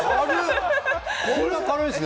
こんな軽いんですね。